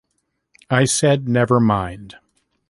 I said “never mind”.